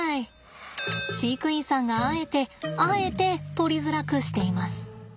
飼育員さんがあえてあえて取りづらくしています。